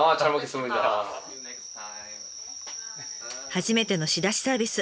初めての仕出しサービス